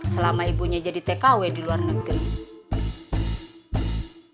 selama ibunya jadi tkw di luar negeri